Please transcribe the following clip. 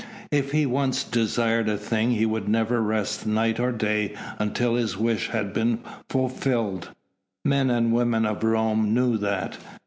If he once desired a thing he would never rest night or day until his wish had been fulfilled. Men and women of Rome knew that.